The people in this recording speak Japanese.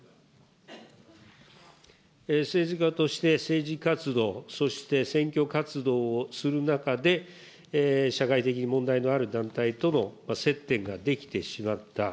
政治家として、政治活動、そして選挙活動をする中で、社会的に問題のある団体との接点が出来てしまった。